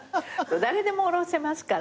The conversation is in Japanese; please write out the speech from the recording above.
誰でも降ろせますから。